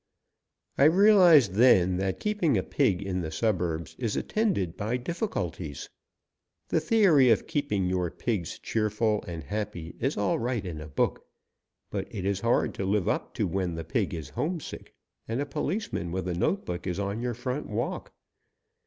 I realized then that keeping a pig in the suburbs is attended by difficulties. The theory of keeping your pigs cheerful and happy is all right in a book, but it is hard to live up to when the pig is homesick and a policeman with a note book is on your front walk.